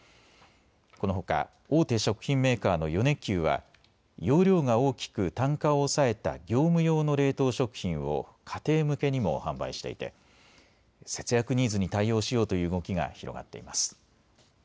このほか大手食品メーカーの米久は容量が大きく単価を抑えた業務用の冷凍食品を家庭向けにも販売していて節約ニーズに対応しようという動きが広がっています。